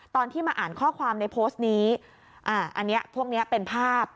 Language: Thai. ตอนที่มาอ่านข้อความในโพสต์นี้อ่าอันนี้พวกเนี้ยเป็นภาพ